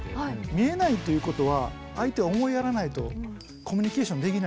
見えないということは相手を思いやらないとコミュニケーションできないです。